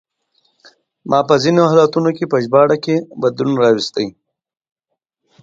ما په ځینو حالتونو کې په ژباړه کې بدلون راوستی.